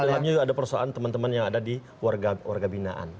dan juga termasuk ada perusahaan teman teman yang ada di warga binaan